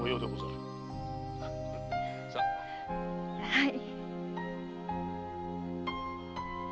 はい。